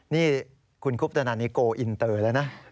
นี่คุณกุปตนันนี่โก้อินเตอร์ละนะ